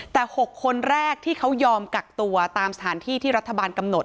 แต่๖คนแรกที่เขายอมกักตัวตามสถานที่ที่รัฐบาลกำหนด